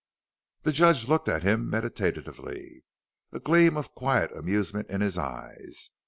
The judge looked at him meditatively, a gleam of quiet amusement in his eyes.